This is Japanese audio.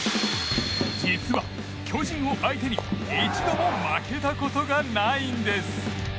実は、巨人を相手に一度も負けたことがないんです。